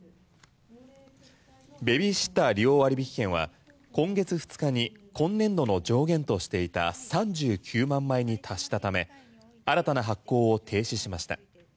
ベビーシッター利用割引券は今月２日に今年度の上限としていた３９万枚に達したため新たな発行を停止しました。